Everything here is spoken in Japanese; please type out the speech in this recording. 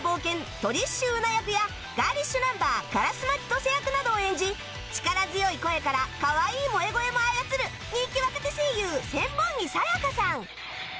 トリッシュ・ウナ役や『ガーリッシュナンバー』烏丸千歳役などを演じ力強い声からかわいい萌え声も操る人気若手声優千本木彩花さん